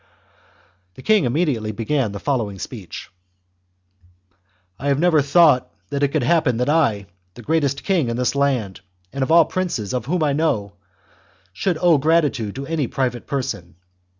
The king immediately began the following speech :— CHAP. " I never thought that it could happen that I, the greatest king in this land, and of all princes of whom I know, should owe gratitude to any private person.